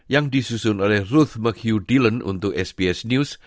yang disusun oleh ruth mchugh dillon untuk sbs news